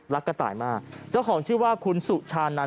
กระต่ายมากเจ้าของชื่อว่าคุณสุชานัน